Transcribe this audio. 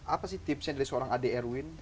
apa sih tipsnya dari seorang ade erwin